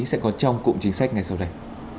sẽ có trong cụm chính sách ngày sau đây